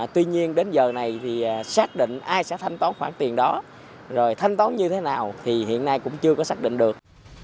tuy nhiên đến giờ này thì xác định ai sẽ thanh toán khoản tiền đó rồi thanh toán như thế nào thì hiện nay cũng chưa có xác định được